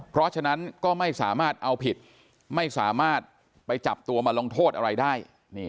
เพราะฉะนั้นก็ไม่สามารถเอาผิดไม่สามารถไปจับตัวมาลงโทษอะไรได้